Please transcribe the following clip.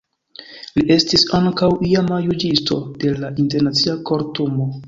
Li estis ankaŭ iama juĝisto de la Internacia Kortumo.